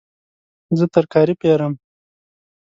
زه ترکاري پیرم